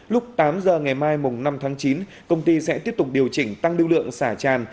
lúc tám giờ ngày mai năm tháng chín công ty sẽ tiếp tục điều chỉnh tăng lưu lượng xả tràn